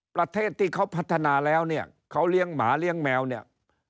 ประเทศที่เขาพัฒนาแล้วเนี่ยเขาเลี้ยงหมาเลี้ยงแมวเนี่ย